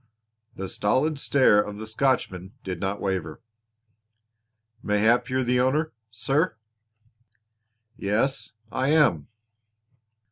The stolid stare of the Scotchman did not waver. "Mayhap you're the owner, sir." "Yes, I am."